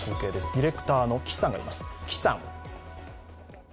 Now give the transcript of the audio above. ディレクターの岸さんがいます。